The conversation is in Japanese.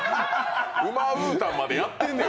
ウマウータンまでやってんねん。